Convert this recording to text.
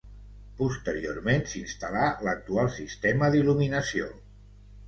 Posteriorment s’instal·là l’actual sistema d’il·luminació.